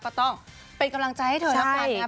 ก็ต้องเป็นกำลังใจให้เธอแล้วกันนะครับ